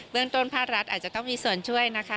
เรื่องต้นภาครัฐอาจจะต้องมีส่วนช่วยนะคะ